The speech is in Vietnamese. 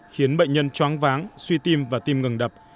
khiến bệnh nhân choáng váng suy tim và tim ngừng đập